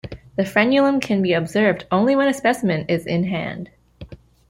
The frenulum can be observed only when a specimen is in hand.